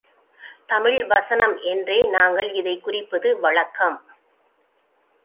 தமிழ் வசனம் என்றே நாங்கள் இதைக் குறிப்பது வழக்கம்.